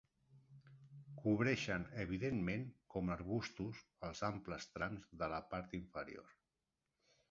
Cobreixen evidentment com arbustos els amples trams de la part inferior.